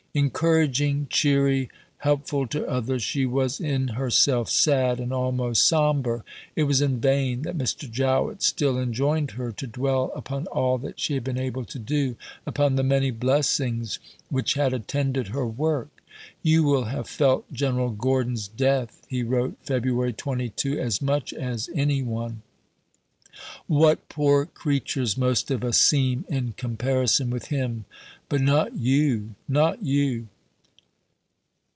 Encouraging, cheery, helpful to others, she was in herself sad and almost sombre. It was in vain that Mr. Jowett still enjoined her to dwell upon all that she had been able to do, upon the many blessings which had attended her work. "You will have felt General Gordon's death," he wrote (Feb. 22), "as much as any one. What poor creatures most of us seem in comparison with him! But not you, not you!"